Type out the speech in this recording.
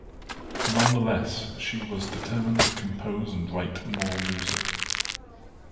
Nonetheless, she was determined to compose and write more music.